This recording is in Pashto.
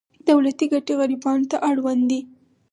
دولتي ګټې غریبانو ته اړوند دي.